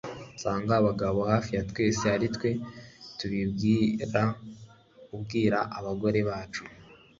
usanga abagabo hafi ya twese aritwe tubibwiraubwira abagore bacu